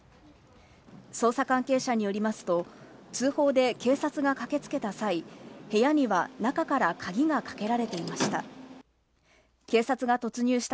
捜査関係者によりますと、通報で警察が駆けつけた際、部屋には中から鍵がかけられていました。